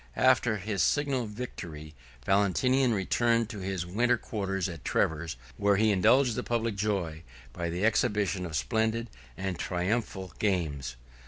After this signal victory, Valentinian returned to his winter quarters at Treves; where he indulged the public joy by the exhibition of splendid and triumphal games.